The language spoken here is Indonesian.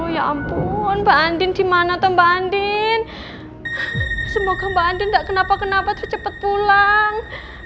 ya ampun bhandin dimana tembang din semoga mbak andin enggak kenapa kenapa cepet pulang